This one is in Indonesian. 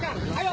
kita kasih rumah